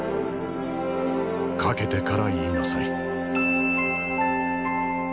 懸けてから言いなさい。